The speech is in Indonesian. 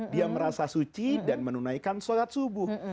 dia merasa suci dan menunaikan sholat subuh